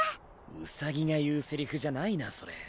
兎が言うセリフじゃないなそれ。